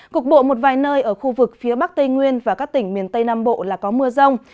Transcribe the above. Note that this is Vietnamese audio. cục bộ một vài nơi ở khu vực phía bắc tây nguyên và các tỉnh miền tây nam bộ là có mưa rông